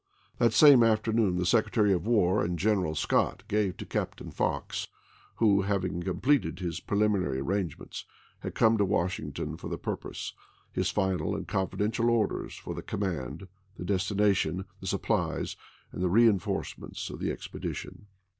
That same afternoon the Secre tary of War and General Scott gave to Captain Fox, who, having completed his preliminary arrangements, had come to Washington for the purpose, his final and confidential orders for the command, the destination, the supplies, and the reenforcements of the expedition.